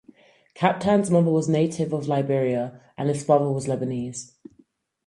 Captan's mother was a native of Liberia and his father was Lebanese.